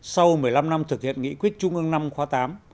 sau một mươi năm năm thực hiện nghị quyết trung ương v khóa viii